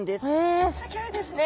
すギョいですね。